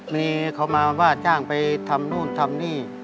มีเขามาว่าจ้างไปทำนู่นทำนี่